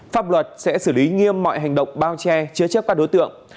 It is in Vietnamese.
pháp luật sẽ xử lý nghiêm mọi hành động bao che chứa chấp các đối tượng